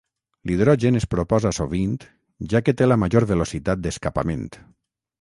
L'hidrogen es proposa sovint ja que té la major velocitat d'escapament.